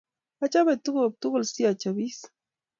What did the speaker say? Achope tuguk tugul si achopis